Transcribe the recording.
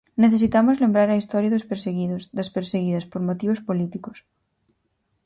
Necesitamos lembrar a historia dos perseguidos, das perseguidas, por motivos políticos.